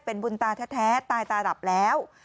เป็นบุญตาแท้ตายตาหลับแล้ว